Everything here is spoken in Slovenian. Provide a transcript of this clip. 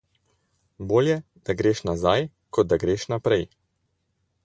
Bolje, da greš nazaj, kot da greš naprej.